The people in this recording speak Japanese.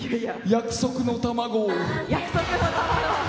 『約束の卵』。